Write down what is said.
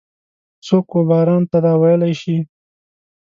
څوک وباران ته دا ویلای شي؟